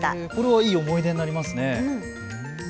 いい思い出になりますね。